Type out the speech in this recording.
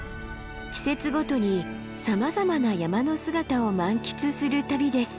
季節ごとにさまざまな山の姿を満喫する旅です。